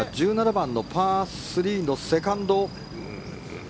１７番のパー３のセカンド。